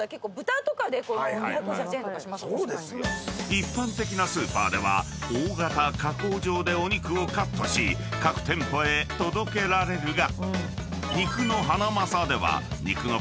［一般的なスーパーでは大型加工場でお肉をカットし各店舗へ届けられるが］